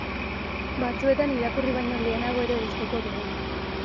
Batzuetan irakurri baino lehenago ere gustuko dugu.